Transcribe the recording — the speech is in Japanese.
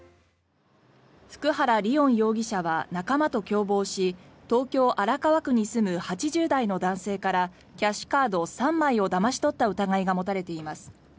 普久原吏音容疑者は仲間と共謀し東京・荒川区に住む８０代の男性からキャッシュカード３枚をだまし取った疑いが持たれています。